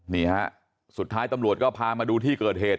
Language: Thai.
นี่ฮะสุดท้ายตำรวจก็พามาดูที่เกิดเหตุ